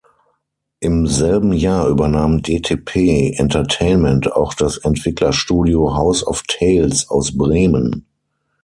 Im selben Jahr übernahm dtp entertainment auch das Entwicklerstudio House of Tales aus Bremen.